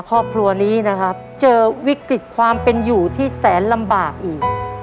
ครอบครัวนี้นะครับเจอวิกฤตความเป็นอยู่ที่แสนลำบากอีก